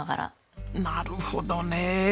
なるほどねえ。